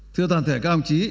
thưa toàn thể các đồng chí